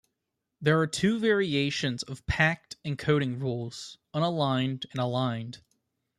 There are two variations of packed encoding rules: unaligned and aligned.